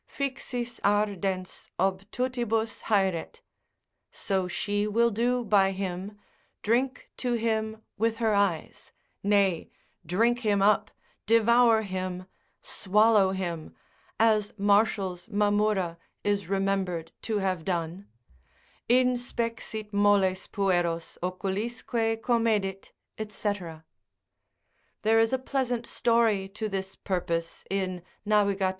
Fixis ardens obtutibus haeret; so she will do by him, drink to him with her eyes, nay, drink him up, devour him, swallow him, as Martial's Mamurra is remembered to have done: Inspexit molles pueros, oculisque comedit, &c. There is a pleasant story to this purpose in Navigat.